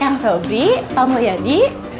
eh kang sobri pak mulyadi